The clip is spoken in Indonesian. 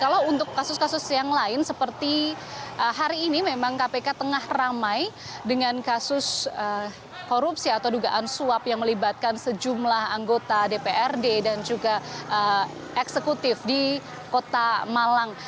kalau untuk kasus kasus yang lain seperti hari ini memang kpk tengah ramai dengan kasus korupsi atau dugaan suap yang melibatkan sejumlah anggota dprd dan juga eksekutif di kota malang